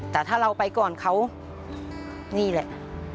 แต่ถ้าเราไปก่อนเขานี่แหละ